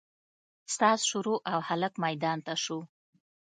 ساز شروع او هلک ميدان ته سو.